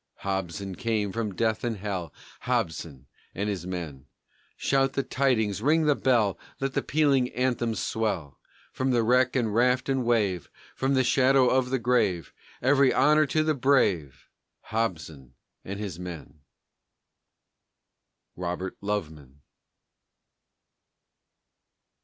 Hobson came from death and hell, Hobson and his men, Shout the tidings, ring the bell, Let the pealing anthems swell; Back from wreck and raft and wave, From the shadow of the grave, Every honor to the brave. Hobson and his men. ROBERT LOVEMAN.